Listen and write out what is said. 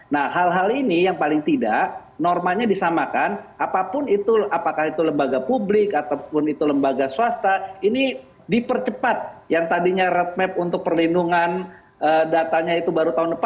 nah hal hal ini yang paling tidak normanya disamakan apapun itu apakah itu lembaga publik ataupun itu lembaga swasta ini dipercepat yang tadinya roadmap untuk perlindungan datanya itu baru tahun depan